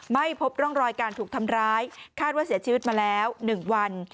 ไม่พบร่องรอยการถูกทำร้ายคาดว่าเสียชีวิตมาแล้ว๑วัน